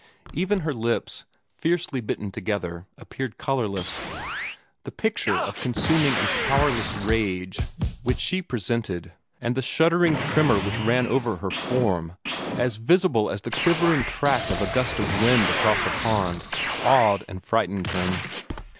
Even her lips, fiercely bitten together, appeared colorless. The picture of consuming and powerless rage which she presented, and the shuddering tremor which ran over her form, as visible as the quivering track of a gust of wind across a pond, awed and frightened him.